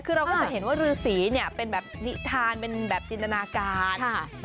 คือเราก็จะเห็นว่ารือสีเนี่ยเป็นแบบนิทานเป็นแบบจินตนาการ